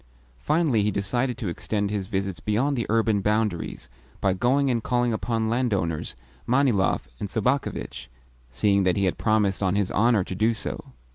Finally he decided to extend his visits beyond the urban boundaries by going and calling upon landowners Manilov and Sobakevitch, seeing that he had promised on his honour to do so.